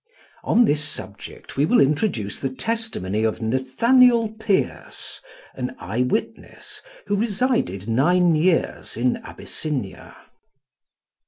On this subject we will introduce the testimony of Nathaniel Pearce, an eye witness, who resided nine years in Abyssinia.